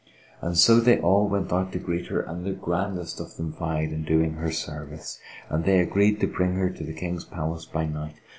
So they all went out to greet her and the grandest of them vied in doing her service and they agreed to bring her to the King's palace by night.